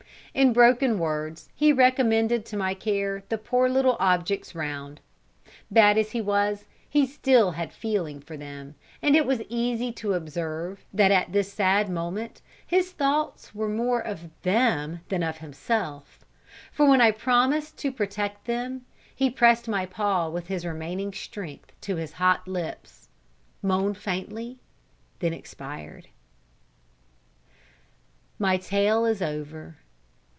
In broken words, he recommended to my care the poor little objects round. Bad as he was, he still had feeling for them, and it was easy to observe that at this sad moment his thoughts were more of them than of himself; for when I promised to protect them, he pressed my paw with his remaining strength to his hot lips, moaned faintly, and expired. [Illustration: CONSOLATION] My tale is over.